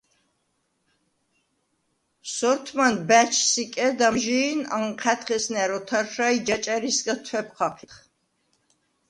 სორთმან ბა̈ჩს იკედ, ამჟი̄ნ ანჴა̈დხ ესნა̈რ ოთარშა ი ჯაჭა̈რისგა თუ̂ეფ ხაჴიდხ.